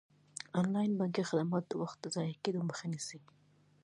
انلاین بانکي خدمات د وخت د ضایع کیدو مخه نیسي.